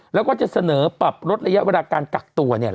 แล้วก็จะเสนอปรับลดระยะเวลาการกักตัว